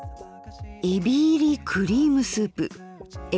「えび入りクリームスープえ